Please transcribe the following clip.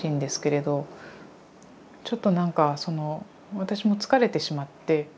ちょっとなんかその私も疲れてしまって。